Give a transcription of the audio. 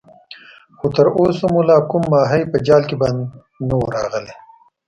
خو تر اوسه مو لا کوم ماهی په جال کې بند نه وو راغلی.